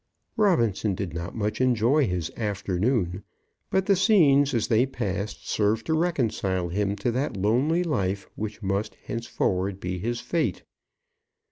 Robinson did not much enjoy his afternoon, but the scenes, as they passed, served to reconcile him to that lonely life which must, henceforward, be his fate.